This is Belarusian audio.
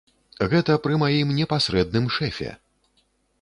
Гэта пры маім непасрэдным шэфе!